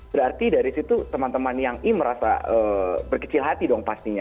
berarti dari situ teman teman yang i merasa berkecil hati dong pastinya